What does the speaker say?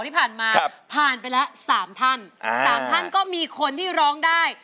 ผ่านไปแล้วสามท่านอ่าสามท่านก็มีคนที่ร้องได้